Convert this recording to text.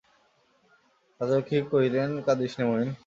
রাজলক্ষ্মী কহিলেন, কাঁদিস নে, মহিন।